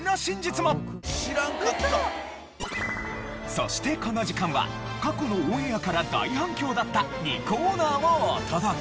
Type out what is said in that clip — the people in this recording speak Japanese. そしてこの時間は過去のオンエアから大反響だった２コーナーをお届け。